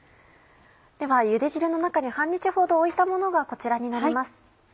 ではゆで汁の中に半日ほど置いたものがこちらになります。